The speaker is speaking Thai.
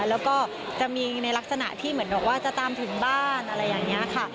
แล้วก็จะมีในลักษณะที่เหมือนบอกว่าจะตามถึงบ้านอะไรอย่างนี้ค่ะ